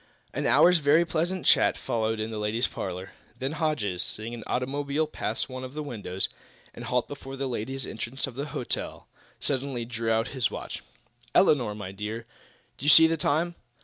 An hour's very pleasant chat followed in the ladies' parlor. Then Hodges, seeing an automobile pass one of the windows and halt before the ladies' entrance of the hotel, suddenly drew out his watch. "Elinor, my dear, do you see the time?"